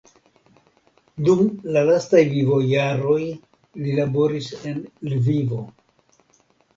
Dum la lastaj vivojaroj li laboris en Lvivo.